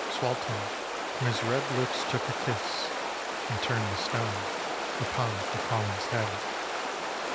Sualtem from his red lips took a kiss, And turned the stone upon Cuculain' s head.